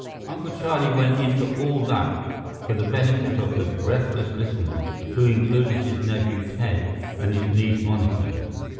Uncle Charlie went into all that for the benefit of the breathless listeners, who included his nephew Ted and his niece Monica.